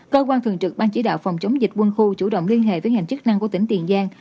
cơ quan thường trực ban chỉ đạo phòng chống dịch quân khu chủ động liên hệ với ngành chức năng của tỉnh tiền giang